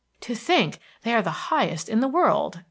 "To think they are the highest in the world!"